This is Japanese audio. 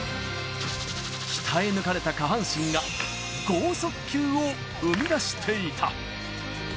鍛え抜かれた下半身が、豪速球を生み出していた。